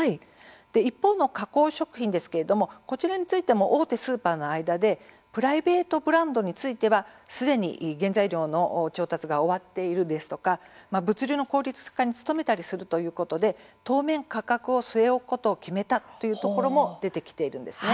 一方の加工食品ですけれどもこちらについても大手スーパーの間でプライベートブランドについてはすでに原材料の調達が終わっているですとか物流の効率化に努めたりするということで当面、価格を据え置くことを決めたというところも出てきているんです。